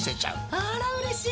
あらうれしい。